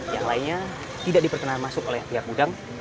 yang lainnya tidak diperkenankan masuk oleh pihak gudang